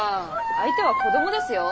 相手は子供ですよォ。